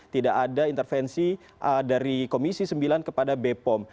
tidak ada intervensi dari komisi sembilan kepada b pom